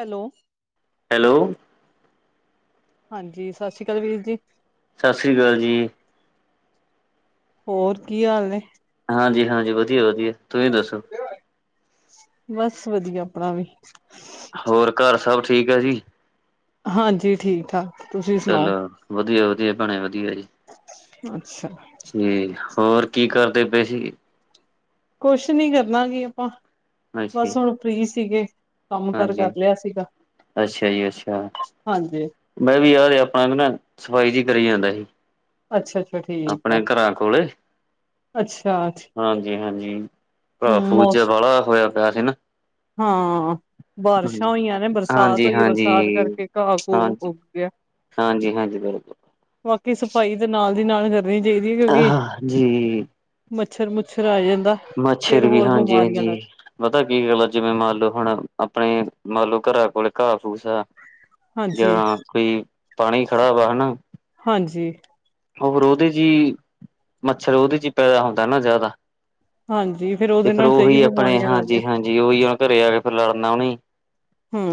Hello hello ਹਾਂਜੀ, ਸਤਿ ਸ੍ਰੀ ਅਕਾਲ ਵੀਰ ਜੀ ਸਤਿ ਸ੍ਰੀ ਅਕਾਲ ਜੀ ਹੋਰ ਕੀ ਹਾਲ ਨੇ? ਹਾਂਜੀ -ਹਾਂਜੀ, ਵਧੀਆ -ਵਧੀਆ ਤੁਸੀਂ ਦੱਸੋ? ਬਸ, ਵਧੀਆ ਆਪਣਾ ਵੀ - ਹੋਰ, ਘਰ ਸਭ ਠੀਕ ਆ ਜੀ? ਹਾਂਜੀ ਠੀਕ - ਠਾਕ ਤੁਸੀਂ ਸੁਣਾਓ - ਵਧੀਆ - ਵਧੀਆ ਭੈਣੇ ਵਧੀਆ ਜੀ ਅੱਛਾ - ਜੀ, ਹੋਰ ਕੀ ਕਰਦੇ ਪਏ ਸੀਗੇ? ਕੁਛ ਨਹੀਂ ਕਰਨਾ ਕੀ ਆਪਾਂ ਅੱਛਾ ਬਸ ਹੁਣ ਫ੍ਰੀ ਸੀਗੇ- ਕੰਮ ਕਾਰ ਹਾਂਜੀ, ਕਰ ਲਿਆ ਸੀਗਾ, ਅੱਛਾ ਜੀ ਅੱਛਾ। ਹਾਂਜੀ- ਮੈਂ ਵੀ ਯਾਰ ਆਪਣਾ ਨਾ, ਸਫ਼ਾਈ ਜਿਹੀ ਕਰੀ ਜਾਂਦਾ ਸੀ- ਅੱਛਾ- ਅੱਛਾ ਠੀਕ ਆ, ਆਪਣੇ ਘਰਾਂ ਅੱਛਾ ਅ ਹਾਂਜੀ -ਹਾਂਜੀ ਘਾਹ ਫੂਸ ਜਿਆ ਬਾਲਾ ਹੋਇਆ ਪਿਆ ਸੀ ਨਾ - ਹਾਂ, ਬਾਰਿਸ਼ਾਂ ਹੋਈਆਂ ਨੇ ਬਰਸਾਤ ਹੋਈ ਹੈ ਹਾਂਜੀ-ਹਾਂਜੀ। ਬਰਸਾਤ ਕਰਕੇ ਘਾਹ ਘੂ ਉਗ ਪਿਆ - ਹਾਂਜੀ -ਹਾਂਜੀ, ਬਿਲਕੁਲ - ਬਾਕੀ ਸਫਾਈ ਤਾਂ ਨਾਲ ਦੀ ਨਾਲ ਕਰਨੀ ਚਾਹੀਦੀ ਹੈ ਹਾਂਜੀ। ਬਿਲਕੁਲ। ਕਿਉਂਕਿ ਹਾਂ ਜੀ, ਮੱਛਰ ਮੁੱਛਰ ਆ ਜਾਂਦਾ- ਫੇਰ ਮੱਛਰ ਵੀ, ਹੋਰ ਹਾਂਜੀ ਬਿਮਾਰੀਆਂ ਲੱਗ ਹਾਂਜੀ- ਪਤਾ ਕੀ ਗੱਲ ਜਿਵੇਂ ਮੰਨ ਲਓ, ਹੁਣ ਆਪਣੇ ਮੰਨ ਲਓ, ਘਰਾਂ ਕੋਲ ਘਾਹ ਫੂਸ ਆ- ਹਾਂਜੀ ਜਾਂ ਕੋਈ ਪਾਣੀ ਖੜਾ ਵਾ ਹਨਾ। ਹਾਂਜੀ। ਹੋ ਫੇਰ ਉਹਦੇ ਚ ਹੀ ਮੱਛਰ ਉਹਦੇ ਚ ਹੀ ਪੈਦਾ ਹੁੰਦਾ ਨਾ ਜ਼ਿਆਦਾ। ਹਾਂਜੀ ਫੇਰ ਤੇ ਉਹਦੇ ਫ਼ਿਰ ਨਾਲ ਕਈ ਉਹੀ ਆਪਣੇ ਬਿਮਾਰੀਆਂ ਲੱਗਦੀਆਂ ਹਾਂਜੀ -ਹਾਂਜੀ ਉਹੀ ਉਹ ਘਰੇ ਆ ਕੇ ਫਿਰ ਲੜਨਾ ਉਹਨੇ ਹੂੰ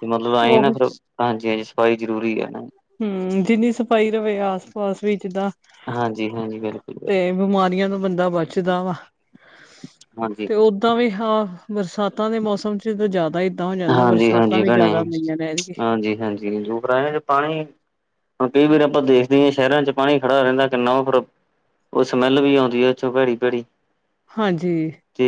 ਤੇ ਮਤਲਬ ਆਏ ਨਾ ਉਹੀ ਫਿਰ ਹਾਂਜੀ-ਹਾਂਜੀ ਸਫਾਈ ਜ਼ਰੂਰੀ ਹੈ। ਹੂੰ ਜਿੰਨੀ ਸਫਾਈ ਰਹੇ ਆਸ ਪਾਸ ਵੀ ਜਿੱਦਾਂ ਹਾਂਜੀ ਹਾਂਜੀ ਬਿਲਕੁਲ ਤੇ ਬਿਮਾਰੀਆਂ ਤੋਂ ਬੰਦਾ ਬਚਦਾ ਵਾ। ਹਾਂਜੀ। ਅਤੇ ਉੱਦਾਂ ਵੀ ਹਾਂ ਬਰਸਾਤਾਂ ਦੇ ਮੌਸਮ 'ਚ ਤਾਂ ਜ਼ਿਆਦਾ ਹੀ। ਜਿੱਦਾਂ ਹੋ ਜਾਂਦਾ ਹਾਂਜੀ ਬਰਸਾਤਾਂ ਵੀ ਜ਼ਿਆਦਾ ਹੁੰਦੀਆਂ ਨੇ ਐਤਕੀ। ਜੀ ਜੂ ਫਿਰ ਪਾਣੀ ਹੁਣ ਕਈ ਵਾਰ ਆਪਾਂ ਦੇਖ ਦੀ ਏ ਸ਼ਹਿਰਾਂ 'ਚ ਪਾਣੀ ਖੜਾ ਰੈਂਦਾ ਕਿੰਨਾ ਓ ਫਿਰ ਓ ਸਮੈੱਲ ਵੀ ਆਂਦੀ ਐਥੇ ਭੈੜੀ-ਭੈੜੀ। ਹਾਂਜੀ। ਤੇ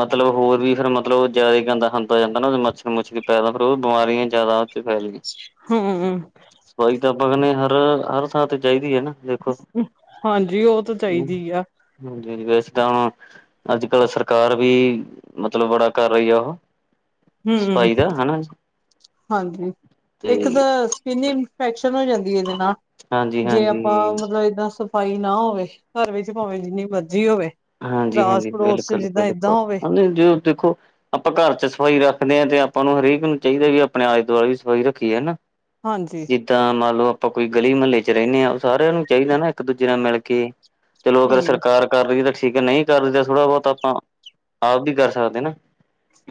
ਮਤਲਬ ਹੋਰ ਵੀ ਫਿਰ ਮਤਲਬ ਓ ਜਿਆਦਾ ਗੰਦਾ ਖਾਨ ਤਾਂ ਜਾਂਦਾ ਨਾ ਮੱਛਰ ਮੁੱਛਰ ਵੀ ਪੈਦਾ ਫੇਰ ਓ ਬਿਮਾਰੀਆਂ ਜਿਆਦਾ ਚ ਫੈਲਗੀ। ਹਾਂ। ਸਫ਼ਾਈ ਤਾਂ ਆਪਾ ਕੈਂਨੇ ਆ ਹਰ, ਹਰ ਥਾਂ ਤੇ ਚਾਈਦੀ ਏ ਨਾ। ਦੇਖੋ ਹਾਂਜੀ ਓ ਤਾਂ ਚਾਈਦੀ ਆ। ਹਾਂਜੀ-ਹਾਂਜੀ ਵੈਸੇ ਤਾਂ ਹੁਣ ਅੱਜ-ਕੱਲ ਸਰਕਾਰ ਵੀ ਮਤਲਬ ਬੜਾ ਕਰ ਰਈ ਆ ਉਹ ਹੂੰ, ਸਫਾਈ ਦਾ ਹਨਾ ਹਾਂਜੀ ਤੇ ਇੱਕ ਤਾਂ ਚੀਨੀ ਇਫੈਕਨ ਹੋ ਜਾਂਦੀ ਏਦੇ ਨਾਲ ਹਾਂਜੀ ਜੇ ਆਪਾਂ ਹਾਂਜੀ ਮਤਲਬ ਏਦਾਂ ਸ ਫਾਈ ਨਾ ਹੋਵੇ ਘਰ ਵਿੱਚ ਭਾਵੇਂ ਜਿੰਨੀ ਮਰਜ਼ੀ ਓਵੇ। ਹਾਂਜੀ-ਹਾਂਜੀ ਬਿਲਕੁੱਲ-ਬਿਲਕੁੱਲ ਜਦੋ ਦੇਖੋ ਆਪਾਂ ਘਰ 'ਚ ਸਫ਼ਾਈ ਰੱਖਦੇ ਆ ਤੇ ਆਪਾਂ ਨੂੰ ਹਰੇਕ ਨੂੰ ਚਾਈਦਾ ਵੀ ਆਪਣੇ ਆਲੇ-ਦੁਆਲੇ ਵੀ ਸਫ਼ਾਈ ਰੱਖੀਏ ਹਨਾ। ਹਾਂਜੀ। ਜਿੱਦਾਂ ਮੰਨ ਲੋ ਆਪਾਂ ਕੋਈ ਗਲੀ ਮੱਲੇ 'ਚ ਰੈਂਨੇ ਆ ਸਾਰਿਆਂ ਨੂੰ ਚਾਈਦਾ ਨਾ ਇੱਕ-ਦੂਜੇ ਨਾਲ ਮਿਲ ਕੇ ਚਲੋ ਅਗਰ ਹੂੰ ਸਰਕਾਰ ਕਰ ਰੀ ਆ ਠੀਕ ਆ ਨਈ ਕਰਦੀ ਥੋੜਾ ਬੋਤ ਆਪਾਂ ਆਪ ਵੀ ਕਰ ਸਕਦੇ ਆ ਨਾ।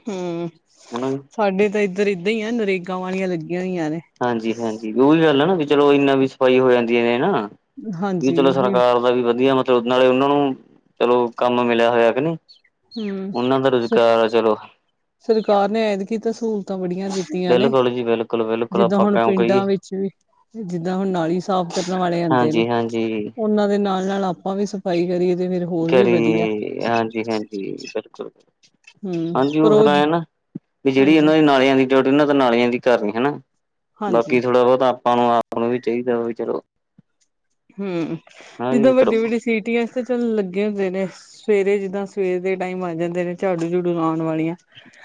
ਹੂੰ ਹਨਾ ਸਾਡੇ ਤਾਂ ਏਧਰ ਏਦਾਂ ਈ ਐ ਨਰੇਗਾ ਵਾਲੀਆਂ ਲੱਗੀਆਂ ਹੋਈਆਂ ਨੇ। ਹਾਂਜੀ-ਹਾਂਜੀ ਉਈ ਗੱਲ ਐ ਨਾ ਵੀ ਚਲੋ ਇੰਨਾ ਵੀ ਸਫ਼ਾਈ ਹੋ ਜਾਂਦੀ ਏ ਨੇ ਹਨਾ। ਵੀ ਚਲੋ ਸਰਕਾਰ ਦਾ ਵੀ ਵਧੀਆ ਮਤਲਬ ਨਾਲੇ ਉਨਾਂ ਨੂੰ ਚਲੋ ਕੰਮ ਮਿਲਿਆ ਹੋਇਆ ਕੇ ਨਈ। ਹੂੰ ਉਨਾਂ ਦਾ ਸਰ ਰੁਜ਼ਗਾਰ ਆ ਚਲੋ। ਸਰਕਾਰ ਨੇ ਐਤਕੀ ਤਾਂ ਸਹੂਲਤਾਂ ਬੜੀਆਂ ਦਿੱ ਤੀਆਂ ਨੇ, ਬਿਲਕੁਲ ਜੀ ਬਿਲਕੁਲ ਬਿਲਕੁਲ ਜਿੱਦਾਂ ਆਪਾਂ ਹੁਣ ਕਿਉਂ ਕਹੀਏ ਪਿੰਡਾਂ ਵਿੱਚ ਵੀ ਜਿੱਦਾਂ ਹੁਣ ਨਾਲੀ ਸਾਫ਼ ਕਰਨ ਵਾਲੇ ਆਂਦੇ ਨੇ, ਹਾਂਜੀ ਹਾਂਜੀ ਉਨਾਂ ਦੇ ਨਾਲ-ਨਾਲ ਆਪਾਂ ਵੀ ਸਫ਼ਾਈ ਕਰੀਏ ਤੇ ਫਿਰ ਹੋਰ ਵੀ ਵਧੀਆ ਕਰੀਏ ਹਾਂਜੀ-ਹਾਂਜੀ ਬਿਲਕੁੱਲ। ਹੂੰ ਹਾਂਜੀ ਪਰ ਓ ਉਹ ਫਿਰ ਐ ਆ ਨਾ ਵੀ ਜੇੜੀ ਹਾਂਜੀ ਉਨਾਂ ਦੀ ਨਾਲਿਆਂ ਦੀ ਜਉਟੀ ਉਨਾਂ ਦਾ ਨਾਲੀਆਂ ਦੀ ਕਰਨੀ ਹਨਾ, ਹਾਂਜੀ ਬਾਕੀ ਥੋੜਾ ਬੋਤਾ ਆਪਾਂ ਨੂੰ ਆਪ ਨੂੰ ਵੀ ਚਾਈਦਾ ਵੀ ਚਲੋ। ਹੂੰ ਹਾਂਜੀ ਜਿੱਦਾਂ ਕਰੋ ਵੱਡੀ-ਵੱਡੀ ਸੀਟੀਆਂ ਤੇ ਚੱਲ ਲੱਗੇ ਹੁੰਦੇ ਨੇ। ਸਵੇਰੇ ਜਿੱਦਾਂ ਸਵੇਰ ਦੇ ਟਾਈਮ ਆ ਜਾਂਦੇ ਨੇ ਝਾੜੂ ਝੁੜੂ ਲਾਣ ਵਾਲੀਆਂ।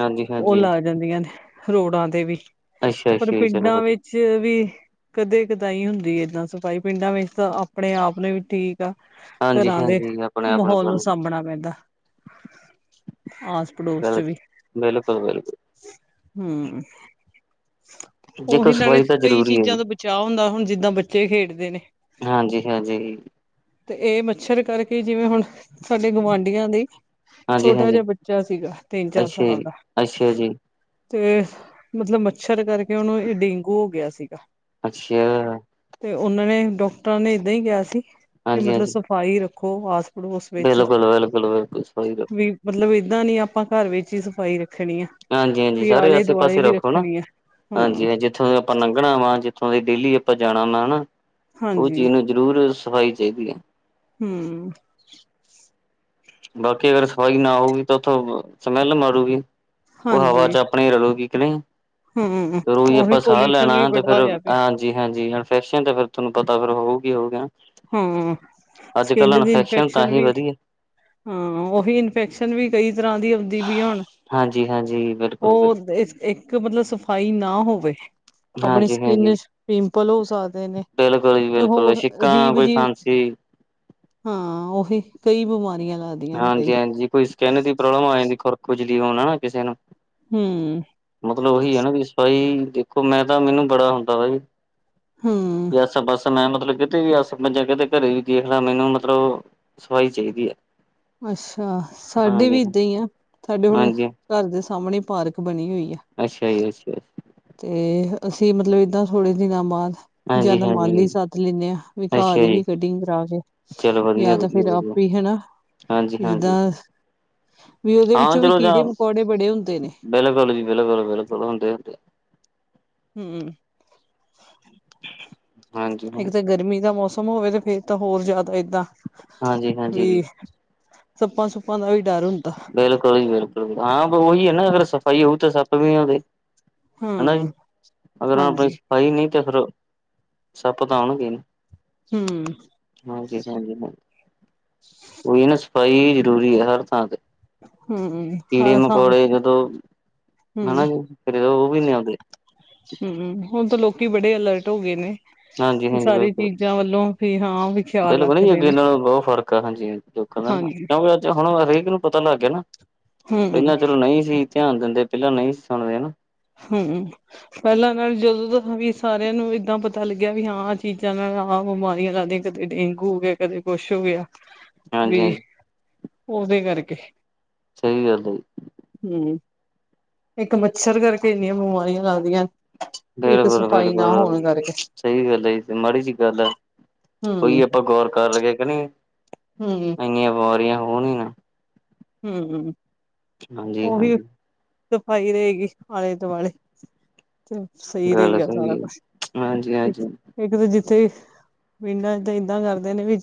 ਹਾਂਜੀ ਓ ਹਾਂਜੀ ਲਾ ਜਾਂਦੀਆਂ ਨੇ ਰੋਡਾਂ ਤੇ ਵੀ, ਅੱਛਾ ਪਰ ਅੱਛਾ ਜੀ ਚਲੋ ਪਿੰਡਾਂ ਵਧੀਆ ਵਿੱ ਚ ਵੀ ਕਦੇ ਕਦਾਈ ਹੁੰਦੀ ਏਦਾਂ ਸਫ਼ਾਈ ਪਿੰਡਾਂ ਵਿੱਚ ਤਾਂ ਆਪਣੇ ਆਪ ਨੂੰ ਵੀ ਠੀ ਕ ਹਾਂਜੀ ਘਰਾਂ ਦੇ ਹਾਂਜੀ ਆਪਣੇ ਆਪ ਮਹੌਲ ਗੱਲ ਨੂੰ ਸਾਂਭਣਾ ਪੈਂਦਾ, ਆਸ ਪੜੋਸ 'ਚ ਗੱਲ ਵੀ, ਬਿਲਕੁਲ ਬਿਲਕੁਲ ਹੂੰ। ਦੇਖੋ ਉਹੀ ਨਾਲੇ ਸਫ਼ਾਈ ਤਾਂ ਕਈ ਜ਼ਰੂਰੀ ਹੈ ਚੀਜ਼ਾਂ ਜੀ ਤੋਂ ਬਚਾਅ ਹੁੰਦਾ ਹੁਣ ਜਿੱਦਾਂ ਬੱਚੇ ਖੇਡਦੇ ਨੇ। ਹਾਂਜੀ-ਹਾਂਜੀ। ਤੇ ਏ ਮੱਛਰ ਕਰਕੇ ਜਿਵੇਂ ਹੁਣ ਸਾਡੇ ਗੁਆਂਢੀਆਂ ਦੇ ਹਾਂਜੀ ਛੋਟਾ ਜਾ ਹਾਂਜੀ ਬੱਚਾ ਸੀਗਾ ਤਿੰਨ-ਚਾਰ ਅੱਛਾ ਸਾਲ ਜੀ ਦਾ। ਅੱਛਾ ਜੀ ਤੇ ਮਤਲਬ ਮੱਛਰ ਕਰਕੇ ਉਨੂੰ ਏ ਡੇਂਗੂ ਹੋ ਗਿਆ ਸੀਗਾ। ਅੱਛਾ! ਤੇ ਉਨਾਂ ਨੇ ਡਾਕਟਰਾਂ ਨੇ ਏਦਾਂ ਈ ਕੇਆ ਸੀ ਵੀ ਹਾਂਜੀ ਮਤਲਬ ਹਾਂਜੀ ਸਫ਼ਾਈ ਰੱਖੋ ਆਸ ਪੜੋਸ ਵਿੱਚ, ਬਿਲਕੁਲ ਬਿਲਕੁਲ ਬਿਲਕੁਲ ਸਹੀ ਵੀ ਮਤਲਬ ਏਦਾਂ ਨੀ ਆਪਾਂ ਘਰ ਵਿੱਚ ਈ ਸਫ਼ਾਈ ਰੱਖਣੀ ਆ। ਹਾਂਜੀ-ਹਾਂਜੀ ਵੀ ਸਾਰੇ ਆਲੇ ਦੁਆਲੇ ਆਸੇ-ਪਾਸੇ ਵੀ ਰੱਖੋ ਨਾ, ਰੱਖਣੀ ਆ। ਹਾਂਜੀ ਹੂੰ ਹਾਂ ਜਿ ਥੋਂ ਦੀ ਆਪਾਂ ਨਗਣਾ ਵਾ, ਜਿੱਥੋਂ ਦੀ ਡੇਲੀ ਆਪਾਂ ਜਾਣਾ ਹੁੰਨਾ ਹਣਾ, ‌ ਓ ਹਾਂਜੀ ਚੀਜ਼ ਨੂੰ ਜ਼ਰੂਰ ਏ ਸ਼ਫਾਈ ਚਾਈਦੀ ਐ। ਹੂੰ ਬਾਕੀ ਅਗਰ ਸਫਾਈ ਨਾ ਹੋਊਗੀ ਤਾਂ ਉੱਥੋਂ, ਸਮੈਲ ਮਾਰੂਗੀ। ਉਹ ਹਵਾ ਹਾਂਜੀ ਚ ਆਪਣੇ ਰਲੂਗੀ ਕੇ ਨਈ? ਹੂੰ ਤੇ ਰੋਜ਼ ਉਹੀ ਆਪਾਂ ਸਾਹ ਪੋਲਿਊਸ਼ਨ ਵੀ ਲੈਣਾ ਤੇ ਬੜਾ ਫਿਰ ਅ ਹੋਇਆ ਪਿਆ ਹਾਂਜੀ- ਹਾਂਜੀ, ਇਨਫੈਕਸ਼ਨ ਤੇ ਫੇਰ ਥੋਨੂੰ ਪਤਾ ਫੇਰ ਹੋਊਗੀ -ਹੋਊਗੀ ਹਨਾ। ਹੈ। ਸਕਿੱਨ ਦੀ ਤਾਂ ਇਨਫੈਕਸ਼ਨ ਹੀ ਵੀ ਵਧੀਆ ਹਾਂ। ਉਹੀ ਇਨਫੈਕਸ਼ਨ ਵੀ ਕਈ ਤਰ੍ਹਾਂ ਦੀ ਆਉਂਦੀ ਦੀ ਵੀ ਆਉਣ, ਹਾਂਜੀ ਹਾਂਜੀ ਬਿਲਕੁਲ ਉਹ ਬਿਲਕੁਲ ਇ-ਇੱਕ ਮਤਲਬ ਸਫ਼ਾਈ ਨਾ ਹੋਵੇ ਆਪਣੀ ਹਾਂਜੀ ਹਾਂਜੀ ਸਕਿੱਨ ਚ'ਪਿੰਪਲ ਹੋ ਸਕਦੇ ਨੇ, ਬਿਲਕੁਲ ਜੀ ਤੇ ਬਿਲਕੁਲ ਹੋਰ ਛਿੱਕਾਂ ਅਜੀਬ ਕੋਈ ਜੀ, ਖਾਂਸੀ ਹਾਂ ਉਹੀ ਕਈ ਬਿਮਾਰੀਆਂ ਲਗ ਹਾਂਜੀ- ਹਾਂਜੀ ਕੋਈ ਸਕਿੱਨ ਦੀ ਪ੍ਰੋਬਲਮ ਆ ਜਾਂਦੀ ਖੁਰਕ-ਖੁਜਲੀ ਹੋਣਾ ਨਾ ਕਿਸੇ ਨੂੰ ਹੂੰ ਮਤਲਬ ਉਹੀ ਹੈ ਨਾ ਵੀ ਸਫਾਈ ਦੇਖੋ ਮੈਂ ਤਾਂ ਮੈਨੂੰ ਬੜਾ ਹੁੰਦਾ ਵਾ ਹੂੰ ਅੱਛਾ ਬਸ ਮੈਂ, ਮਤਲਬ ਕਿਤੇ ਵੀ ਆਸੇ ਮੈ ਜੇ ਕਿਤੇ ਘਰੇ ਵੀ ਦੇਖਣਾ ਮੈਨੂੰ ਮਤਲਬ ਸਫ਼ਾਈ ਚਾਈਦੀ ਐ। ਅੱਛਾ, ਸਾਡੇ ਵੀ ਏਦਾਂ ਈ ਐ, ਸਾਡੇ ਹੁਣ ਹਾਂਜੀ ਘਰ ਦੇ ਸਾਹਮਣੇ ਪਾਰਕ ਬਣੀ ਹੋਈ ਐ। ਅੱਛਾ ਜੀ ਅੱਛਾ। ਤੇ ਅਸੀ ਏਦਾਂ ਮਤਲਬ ਥੋੜੇ ਦਿਨਾਂ ਬਾਅਦ ਜਾਂ ਹਾਂਜੀ ਤਾਂ ਮਾਲੀ ਹਾਂਜੀ ਸੱਦ ਲੈਂਦੇ ਆ, ਵੀ ਘਾਹ ਅੱਛਾ ਦੀ ਜੀ, ਵੀ ਕਟਿੰਗ ਕਰਾ ਲੋ। ਚਲੋ ਵਧੀਆ, ਜਾਂ ਤਾਂ ਵਧੀਆ, ਫਿਰ ਵਧੀਆ ਆਪੇ ਹਨਾ। ਹਾਂਜੀ, ਜਿਦਾ, ਹਾਂਜੀ ਵੀ ਉਹਦੇ ਵਿੱਚੋਂ ਵੀ ਕੀੜੇ-ਮਕੌੜੇ ਬੜੇ ਹੁੰਦੇ ਨੇ। ਬਿੱਲਕੁਲ ਜੀ ਬਿੱਲਕੁਲ- ਬਿਲਕੁਲ ਹੋਦੇ ਹੁੰਦੇ ਐ। ਹੂੰ, ਹਾਂਜੀ, ਹਾਂਜੀ, ਇੱਕ ਤਾਂ ਗਰਮੀ ਦਾ ਮੌਸਮ ਘੁਮਾਉਂਦੇ ਤਾਂ ਫੇਰ ਤਾਂ ਹੋਰ ਜ਼ਿਆਦਾ ਏਦਾਂ, ਹਾਂਜੀ, ਵੀ ਹਾਂਜੀ ਸੱਪਾਂ- ਸੁੱਪਾਂ ਦਾ ਵੀ ਡਰ ਹੁੰਦਾ। ਬਿੱਲਕੁਲ ਜੀ ਬਿੱਲਕੁਲ ਹਾਂ ਉਹੀ ਹੈ ਨਾ ਅਗਰ ਸਫ਼ਾਈ ਹੋਊ ਤਾਂ ਫਿਰ ਸੱਪ ਵੀ ਨੀ ਆਂਦੇ। ਹਨਾ ਜੀ, ਹਮ ਹੁਣ ਅਗਰ ਆਪਣੀ ਹਾਂਜੀ ਸਫਾਈ ਨਈ ਤੇ ਫਿਰ, ਸੱਪ ਤਾਂ ਆਉਣਗੇ ਨਾ। ਹਮ ਹਾਂ ਚੈਕ ਨੂੰ [unintelligible] ਲੋ। ਉਹੀ ਨਾ ਸਫਾਈ ਜ਼ਰੂਰੀ ਆ ਹਰ ਥਾਂ ਤੇ। ਹਮ ਕੀੜੇ- ਹਰ ਸਾਲ ਮਕੌੜੇ ਜਦੋ ਮਤਲਬ ਹਮ ਹਨਾ ਜੀ, ਫਿਰ ਉਹ ਵੀ ਨੀ ਆਉਦੇ। ਜੀ, ਹੁਣ ਤਾਂ ਲੋਕੀ ਬੜੇ ਅਲਰਟ ਹੋ ਗਏ ਨੇ। ਹਾਂਜੀ -ਹਾਂਜੀ ਸਾਰੀ ਚੀਜ਼ਾਂ ਵੱਲੋਂ ਵੀ ਹਾਂ ਵੀ ਖਿਆਲ ਬਿੱਲਕੁਲ-ਬਿੱਲਕੁਲ ਨਾ ਰੱਖਦੇ ਅੱਗੇ ਨੇ ਨਾਲੋ ਬਹੁਤ ਫ਼ਰਕ ਆ ਹਾਂਜੀ। ਦੇਖੋ ਮੈਮ, ਹਾਂਜੀ ਅਗਰ ਹੁਣ ਹਰੇਕ ਨੂੰ ਪਤਾ ਲੱਗ ਗਿਆ ਨਾ, ਹੂੰ ਇੰਨਾ ਚੀਰ ਨਈ ਸੀ ਧਿਆਨ ਦਿੰਦੇ ਪਹਿਲਾ ਨਈ ਸੀ ਸੁਣਦੇ ਹਨਾ। ਹੂੰ ਪਹਿਲਾ ਨਾਲ ਜਦੋ ਦਾ ਵੀ ਸਾਰਿਆ ਨੂੰ ਇਦਾਂ ਪਤਾ ਲੱਗਿਆ ਵੀ ਹਾਂ ਆਹ ਚੀਜ਼ਾਂ ਨਾਲ ਆਹ ਬਿਮਾਰੀਆਂ ਲੱਗ ਕਦੇ ਡੇਂਗੂ ਹੋ ਗਿਆ, ਕਦੇ ਕੁਛ ਹੋ ਗਿਆ। ਹਾਂਜੀ ਵੀ, ਹਾਂਜੀ ਉਹਦੇ ਕਰਕੇ। ਸਹੀ ਗੱਲ ਏ। ਹੂੰ ਇੱਕ ਮੱਛਰ ਕਰਕੇ ਇੰਨੀਆਂ ਬਿਮਾਰੀਆਂ ਲੱਗਦੀਆਂ ਇੱਕ ਸਫ਼ਾਈ ਨਾ ਬਿਲਕੁਲ-ਬਿਲਕੁਲ ਹੋਣ ਕਰਕੇ ਸਹੀ ਗੱਲ ਐ, ਏ ਤਾ ਮਾੜੀ ਜੀ ਗੱਲ ਐ। ਇਹੀ ਹੂੰ ਆਪਾਂ ਗੌਰ ਕਰ ਲਈਏ ਕਿ ਨਈ? ਹੂੰ-ਹੂੰ ਇੰਨੀਆ ਬਿਮਾਰੀਆ ਹੋਣ ਈ ਨਾ। ਹੂੰ-ਹੂੰ, ਹਾਂਜੀ ਓਹੀ, ਹਾਂਜੀ ਸਫ਼ਾਈ ਰਹੇਂ ਗਈ ਆਲੇ-ਦੁਆਲੇ। ਤੇ ਸਹੀ ਗੱਲ ਰਹੇਗਾ ਸਾਰਾ ਸਹੀ ਹੈ ਕੁਛ, ਹਾਂਜੀ ਹਾਂਜੀ ਇੱਕ ਤੇ ਜਿੱਥੇ ਵੀ ਪਿੰਡਾਂ'ਚ ਤਾਂ ਏਦਾਂ ਕਰਦੇ ਨੇ ਵੀ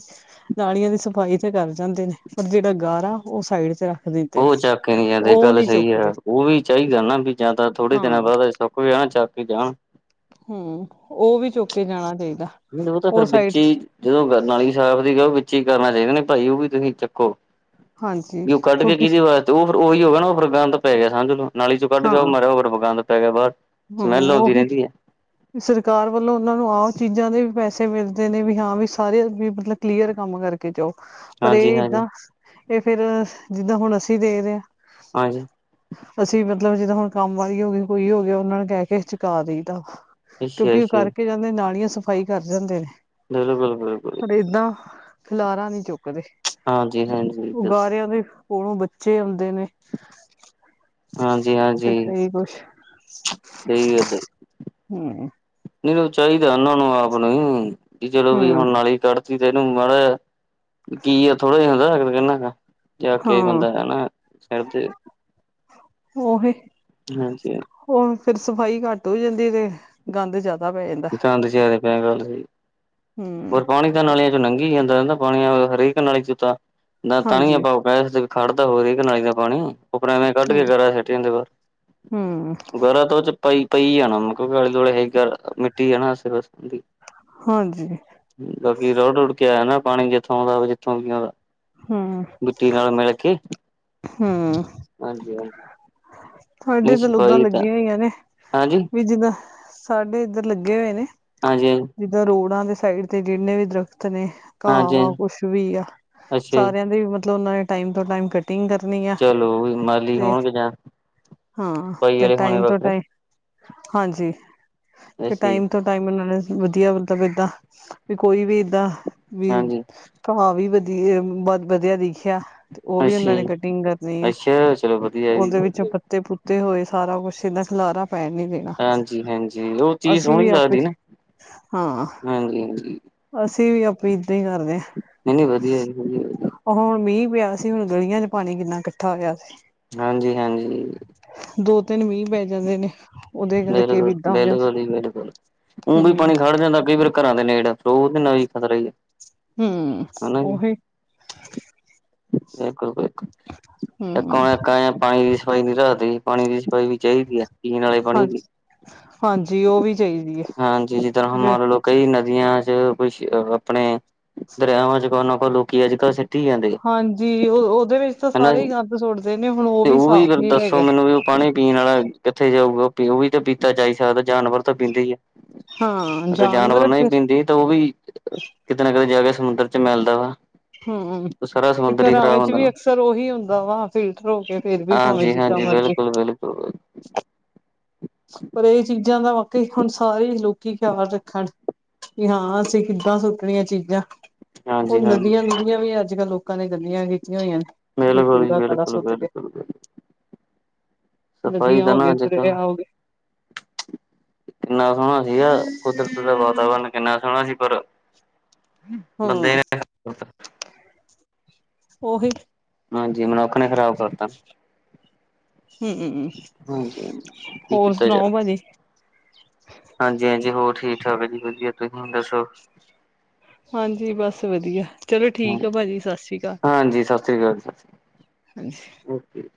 ਨਾਲੀਆਂ ਦੀ ਸਫ਼ਾਈ ਤੇ ਕਰ ਜਾਂਦੇ ਨੇ, ਪਰ ਜਿਹੜਾ ਗਾਰਾ ਉਹ ਸਾਈਡ ਤੇ ਰੱਖ ਦਿੰਦੇ ਨੇ ਉਹ ਚੱਕਕੇ ਨੀ ਜਾਂਦੇ ਉਹ ਗੱਲ ਨੀ ਸਹੀ ਚੁੱਕਦੇ ਆ, ਉਹ ਵੀ ਚਾਹੀਦਾ ਨਾ ਵੀ ਜਾਂ ਤਾਂ ਥੋੜੇ ਹਾਂ ਦਿਨਾਂ ਬਾਅਦ ਸੁੱਕ ਗਿਆ ਨਾ ਚੱਕ ਕੇ ਜਾਣ। ਹੂੰ, ਉਹ ਵੀ ਚੁੱਕਕੇ ਜਾਣਾ ਚਾਹੀਦਾ। ਉਹ ਤਾਂ ਫੇਰ ਬਿੱਚੇ ਈ ਜਦੋਂ ਨਾਲੀ ਸਾਫ਼ ਦੀ ਕਹੇ, ਉਹ ਵਿੱਚ ਈ ਕਰਨਾ ਚਾਹੀਦਾ ਨਾ ਭਾਈ ਉਹ ਵੀ ਤੁਸੀਂ ਚੱਕੋ। ਹਾਂਜੀ ਬੀ ਓ ਕੱਢਕੇ ਕਿਉਂਕਿ ਕਿਦੀ ਵਾ ਤੇ ਉਹ ਫਿਰ ਉਹੀ ਹੋਗਿਆ ਨਾ, ਉਹ ਫਿਰ ਗੰਦ ਪੈ ਮਗਿਆ, ਸਮਝਲੋ ਨਾਲੀ'ਚੋਂ ਕੱਢਕੇ ਹਾਂ ਉਹ ਮਾਰਿਆ, ਉਹ ਫਿਰ ਗੰਦ ਤੇ ਪੈਗਿਆ ਬਾਹਰ। ਸਮੈਲ ਆਉਂਦੀ ਰਹਿੰਦੀ ਆ। ਵੀ ਸਰਕਾਰ ਵੱਲੋਂ ਉਹਨਾਂ ਨੂੰ ਆਹ ਚੀਜ਼ਾਂ ਦੇ ਵੀ ਪੈਸੇ ਮਿਲਦੇ, ਨੇ ਵੀ ਹਾਂ ਵੀ ਸਾਰੇ ਵੀ ਮਤਲਬ ਕਲੀਅਰ ਕੰਮ ਕਰ ਕੇ ਜਾਓ, ਪਰ ਹਾਂਜੀ ਇਹ ਹਾਂਜੀ ਏਦਾਂ, ਇਹ ਫੇਰ ਜਿੱਦਾਂ ਹੁਣ ਅਸੀਂ ਦੇਖਦੇ ਆਂ ਆਂਜੀ। ਅਸੀਂ ਮਤਲਬ ਜਿੱਦਾਂ ਹੁਣ ਕੰਮ ਵਾਲੀ ਹੋ ਗਈ, ਕੋਈ ਹੋਗਿਆ ਉਹਨਾਂ ਨੂੰ ਕਹਿਕੇ ਚੁਕਾ ਦਈਦਾ ਵਾ। ਅੱਛਾ ਕਿਉਂਕਿ, ਉਹ ਅੱਛਾ ਕਰਕੇ ਜਾਂਦੇ ਨਾਲੀਆਂ ਸਫ਼ਾਈ ਕਰ ਜਾਂਦੇ ਨੇ। ਬਿਲਕੁਲ-ਬਿਲਕੁਲ। ਪਰ ਏਦਾਂ, ਖਿਲਾਰਾ ਨਹੀਂ ਚੁੱਕਦੇ, ਹਾਂਜੀ ਹਾਂਜੀ ਉਹ ਓ ਦੱਸ ਗਾਰਿਆਂ ਦੇ ਕੋਲੋਂ ਬੱਚੇ ਆਉਂਦੇ ਨੇ। ਤੇ ਹਾਂਜੀ-ਹਾਂਜੀ, ਕਈ ਕੁਛ ਸਹੀ ਆ ਸਹੀ। ਹਮ ਨਹੀਂ ਉਹ ਚਾਹੀਦਾ ਉਹਨਾ ਨੂੰ ਆਪ ਨੂੰ ਈ, ਵੀ ਚਲੋ, ਵੀ ਹਮ ਹੁਣ ਨਾਲੀ ਕੱਢ ਤੇ ਇਹਨੂੰ ਮਾੜਾ ਜਾ, ਕੀ ਆ ਥੋੜਾ ਜਾ ਹੁੰਦਾ ਕਹਿਨਾ ਹੈਗਾ ਚੱਕ ਹਾਂ ਕੇ ਬੰਦਾ ਹੈਨਾ, ਸਿਰ ਤੇ ਓਹੇ ਹਾਂਜੀ। ਓਹ ਫੇਰ ਸਫ਼ਾਈ ਘੱਟ ਹੋ ਜਾਂਦੀ ਤੇ, ਗੰਦ ਜਿਆਦਾ ਗੰਦ ਜ਼ਿਆਦਾ ਪਿਆ, ਗੱਲ ਸਹੀ ਹਮ ਹੋਰ ਕੋਣ ਨਾਲੀਆਂ'ਚੋਂ ਨੰਘੀ ਜਾਂਦਾ ਰਹਿੰਦਾ ਪਾਣੀ, ਹਰੇਕ ਨਾਲੀ'ਚ ਤਾਂ ਜਾਂ ਤਣੀਆਂ ਹਾਂਜੀ ਪਾ ਵੈਸੇ ਵੀ ਖੜ੍ਹਦਾ ਹਰੇਕ ਨਾਲੀ ਦਾ ਪਾਣੀ। ਉਪਰ ਐਂਵੇ ਹਮ ਕੱਢਕੇ ਗਾਰਾ ਸੁੱਟ ਜਾਂਦੇ ਬਸ, ਹਮ ਗਾਰਾ ਤਾ ਓ 'ਚ ਪਈ-ਪਈ ਜਾਣਾ‌ ਆਲੇ-ਦੁਆਲੇ ਹੈਈ ਗਾਰਾ, ਮਿੱਟੀ ਆ ਨਾ ਆਸੇ-ਪਾਸੇ ਹਾਂਜੀ। ਬਾਕੀ ਰੋਡ-ਰੁੜ ਕੇ ਆਇਆ ਨਾ ਪਾਣੀ, ਜਿੱਥੋਂ ਆਉਂਦਾ ਦਾ ਜਿੱਥੋਂ ਵੀ ਆਉਂਦਾ। ਹਮ ਮਿੱਟੀ ਨਾਲ ਮਿਲਕੇ ਹੂੰ ਸਾਡੇ ਤਾ ਨਹੀਂ ਇਧਰ ਲੋਗਾਂ ਸਫਾਈ ਤਾਂ ਲੱਗੀਆਂ ਹੋਈਆਂ ਨੇ ਹਾਂਜੀ ਵੀ ਜਿੱਦਾਂ, ਸਾਡੇ ਇੱਧਰ ਲੱਗੇ ਹੋਏ ਨੇ। ਹਾਂਜੀ, ਹ ਜਿੱਦਾਂ, ਰੋਡਾਂ ਦੇ ਸਾਈਡ ਤੇ ਜਿੰਨੇ ਵੀ ਦਰੱਖਤ ਨੇ ਘਾਹ-ਵਾ ਹਾਂਜੀ ਕੁਛ ਵੀ ਆ, ਅੱਛਾ ਜੀ ਸਾਰਿਆਂ ਦੇ ਮਤਲਬ ਉਹਨਾਂ ਨੇ ਟਾਈਮ ਤੋਂ ਟਾਈਮ ਕੱ ਕਟਿੰਗ ਕਰਨੀ ਆ, ਚਲੋ ਵੀ ਮਾਲੀ ਤੇ, ਹੋਣਗੇ ਜਾਂ ਹਾਂ ਸਫਾਈ ਤੇ ਵਾਲੇ ਹੋਣੇ ਟਾਈਮ ਤੋਂ ਵੱਖਰੇ ਟਾਈਮ ਹਾਂਜੀ, ਅੱਛਾ ਤੇ ਜੀ ਟਾਈਮ ਤੋ ਟਾਈਮ ਨਾਲ ਵਧੀਆ ਮਤਲਬ ਏਦਾਂ, ਵੀ ਕੋਈ ਵੀ ਏਦਾਂ ਵੀ ਹਾਂਜੀ ਘਾਅ ਵੀ ਵਧੀਆ ਬ, ਵਧਿਆ ਦਿਖਿਆ ਤੇ ਉਹ ਵੀ ਅੱਛਾ ਉਹਨਾਂ ਨੇ ਜੀ [unintelligible] ਆ ਅੱਛਾ ਚਲੋ ਵਧੀਆ ਜੀ ਉਹਦੇ ਵਿੱਚ। ਵਧੀਆ ਪੱਤੇ ਪੱਤੇ ਹੋਏ ਸਾਰਾ ਕੁੱਛ, ਇਹਦਾ ਖਿਲਾਰਾ ਪੈਣ ਨੀ ਦੇ। ਹਾਂਜੀ, ਹਾਂਜੀ, ਉਹ ਚੀਜ਼ ਸੋਹਣੀ ਆਪੇ ਲੱਗਦੀ ਨਾ ਹਾਂ ਹਾਂਜੀ, ਹਾਂਜੀ। ਅਸੀਂ, ਵੀ ਆਪੇ ਇੱਦਾਂ ਹੀ ਕਰਦੇ ਹਾਂ। ਨਹੀਂ, ਨਹੀਂ ਵਧੀਆ ਜੀ। ਵਧੀਆਂ, ਵਧੀਆ। ਉਹ ਹੁਣ ਮੀਂਹ ਪਿਆ ਸੀ, ਹੁਣ ਗਲੀਆਂ ਵਿਚ ਪਾਣੀ ਕਿੰਨਾ ਇਕੱਠਾ ਹੋਇਆ ਸੀ। ਹਾਂਜੀ, ਹਾਂਜੀ। ਦੋ, ਤਿੰਨ ਮੀਂਹ ਪੈ ਜਾਂਦੇ ਨੇ। ਉਹਦੇ ਕਰਕੇ ਵੀ ਬਿਲਕੁਲ, ਏਦਾਂ ਹੋ ਜਾਂਦਾ ਬਿਲਕੁਲ ਹੀ ਬਿਲਕੁਲ ਊ ਵੀ ਹਮ ਪਾਣੀ ਖੜ ਜਾਂਦਾ। ਕਈ ਵਾਰ ਘਰਾਂ ਦੇ ਨੇੜ। ਫਿਰ ਉਹਦੇ ਨਾਲ ਵੀ ਖਤਰਾਂ ਆ। [unintelligible] ਹੂੰ, ਓਹੀ। ਬਿਲਕੁਲ, ਬਿਲਕੁਲ, ਇੱਕ ਹਮ ਆਏਆ ਪਾਣੀ ਦੀ ਸ [unintelligible] ਸਫਾਈ ਨਹੀਂ ਰੱਖਦੇ ਜੀ, ਪਾਣੀ ਦੀ ਸਫਾਈ ਵੀ ਚਾਹੀਦੀ ਹੈ। ਪੀਣ ਵਾਲੇ ਪਾਣੀ ਦੀ। ਹਾਂਜੀ ਹਾਂਜੀ, ਉਹ ਵੀ ਚਾਹੀਦੀ ਐ। ਹਾਂਜੀ, ਜਿਦਾ ਹੁਣ ਮੰਨ ਲੋ। ਕਈ ਨਦੀਆਂ ਚ ਕੁਛ ਆਪਣੇ ਦਰਿਆਵਾਂ ਚ ਕੋ ਨਾ ਕੋ ਲੋਕੀ ਅੱਜ ਕੱਲ੍ਹ ਸ ਹਾਂਜੀ, ਉਹ ਉਹਦੇ ਵਿੱਚ ਤਾਂ ਹਨਾ ਸਾਰੇ ਹੀ ਜੀ ਗੰਦ ਸੁੱਟਦੇ ਨੇ, ਹੁਣ ਉਹ ਤੇ ਵੀ ਸਾਫ਼ ਫਿਰ ਨਹੀਂ ਰਹਿ ਦੱਸੋ ਗਿਆ। ਮੈਨੂੰ ਵੀ ਉਹ ਪਾਣੀ ਪੀਣ ਵਾਲਾ ਕਿੱਥੇ ਜਾਊਗਾ, ਉਹ ਵੀ ਤਾਂ ਪੀਤਾ ਜਾ ਹੀ ਸਕਦਾ। ਜਾਨਵਰ ਤਾਂ ਪੀਂਦੇ ਹੀ ਆ। ਹਾਂ ਅਗਰ, ਜਾਨਵਰ ਨਹੀਂ ਫਿਰ ਪੀਂਦੇ। ਤੇ ਉਹ ਵੀ ਕਿਤੇ ਨਾ ਕਿਤੇ ਜਾਕੇ, ਸਮੁੰਦਰ ਚ ਮਿਲਦਾ ਵਾ। ਹੂੰ ਸਾਰਾ ਤੇ ਸਮੁੰਦਰ ਹੀ ਘਰਾਂ ਖ਼ਰਾਬ ਵਿੱਚ ਹੁੰਦਾ ਵੀ ਨਾ ਅਕਸਰ ਉਹੀ ਹੁੰਦਾ ਵਾ, ਫਿਲਟਰ ਹੋ ਕੇ। ਫੇਰ ਵੀ ਭਾਵੇ ਹਾਂਜੀ ਜਿੱਦਾ ਹਾਂਜੀ ਮਰਜ਼ੀ। ਬਿਲਕੁਲ ਬਿਲਕੁਲ ਪਰ ਇਹ ਚੀਜ਼। ਚੀਜ਼ਾਂ ਦਾ ਵਾਕਈ, ਹੁਣ ਸਾਰੇ ਹੀ ਲੋਕੀ ਖਿਆਲ ਰੱਖਣ। ਵੀ ਹਾਂ, ਅਸੀਂ ਕਿੱਦਾਂ ਸੁੱਟਣੀਆਂ ਚੀਜ਼ਾਂ। ਹਾਂਜੀ ਹੁਣ ਹਾਂਜੀ ਨਦੀਆਂ ਨਵੀਆਂ ਵੀ ਅੱਜ ਕੱਲ੍ਹ ਲੋਕਾਂ ਨੇ, ਗੰਦੀਆ ਕੀਤੀਆਂ ਹੋਈਆਂ ਨੇ। ਜੋ ਬਿਲਕੁਲ ਜੀ ਕੂੜਾ ਕਾੜਾ ਬਿਲਕੁਲ ਸੁੱਟ ਕੇ। ਬਿਲਕੁਲ ਬਿਲਕੁਲ। ਸਫ਼ਾਈ ਨਦੀਆ ਦਾ ਨਾ ਹੋਗੇ, ਅੱਜ ਕੱਲ ਦਰਿਆ ਹੋਗੇ। ਕਿੰਨਾ ਸੋਹਣਾ ਸੀਗਾ, ਕੁਦਰਤ ਦਾ ਵਾਤਾਵਰਨ, ਕਿੰਨਾ ਸੋਹਣਾ ਸੀ ਪਰ। ਬੰਦੇ ਹੂੰ ਨੇ ਉਹੀ। [unintelligible] ਹਾਂਜੀ, ਮਨੁੱਖ ਨੇ ਖ਼ਰਾਬ ਕਰਤਾ। ਹੂੰ ਹਾਂਜੀ, ਕੀ ਹੋਰ ਕੀਤਾ ਜਾ ਸੁਣਾਓ ਭਾਜੀ ਹਾਂਜੀ, ਹਾਂਜੀ ਹੋਰ ਠੀਕ ਠਾਕ ਹੈ ਜੀ। ਵਧੀਆ ਤੁਸੀਂ ਦੱਸੋ। ਹਾਂਜੀ, ਬੱਸ ਵਧੀਆ। ਚਲੋ ਠੀਕ ਆ ਭਾਜੀ ਸਤਿ ਸ਼੍ਰੀ ਅਕਾਲ ਹਾਂਜੀ ਸ਼ਸ੍ਰੀ ਅਕਾਲ, ਹਾਂਜੀ। ਓਕੇ।